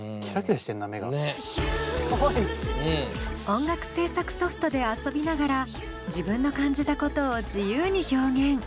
音楽制作ソフトで遊びながら自分の感じたことを自由に表現。